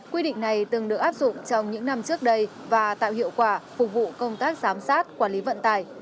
quy định này từng được áp dụng trong những năm trước đây và tạo hiệu quả phục vụ công tác giám sát quản lý vận tải